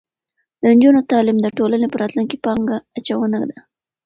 د نجونو تعلیم د ټولنې په راتلونکي پانګه اچونه ده.